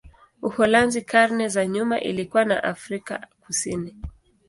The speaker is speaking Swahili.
Uholanzi karne za nyuma ilikuwa na Afrika Kusini.